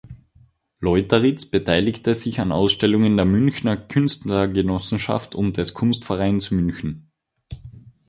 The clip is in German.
Leuteritz beteiligte sich an Ausstellungen der Münchner Künstlergenossenschaft und des Kunstvereins München.